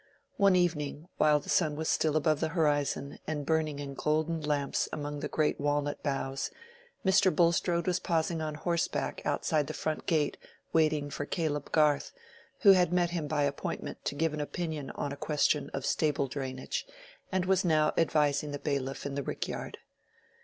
One evening, while the sun was still above the horizon and burning in golden lamps among the great walnut boughs, Mr. Bulstrode was pausing on horseback outside the front gate waiting for Caleb Garth, who had met him by appointment to give an opinion on a question of stable drainage, and was now advising the bailiff in the rick yard.